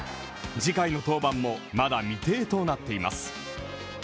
次回の登板もまだ未定となっています。